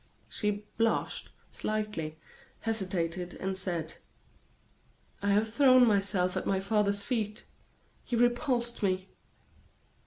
She blushed slightly, hesitated, and said: "I have thrown myself at my father's feet; he repulsed me."